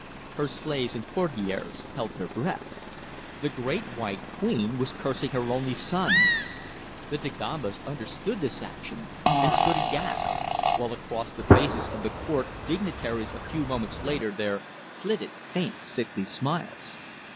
Her slaves and courtiers held their breath. The Great White Queen was cursing her only son. The Dagombas understood this action and stood aghast, while across the faces of the court dignitaries a few moments later there flitted faint sickly smiles.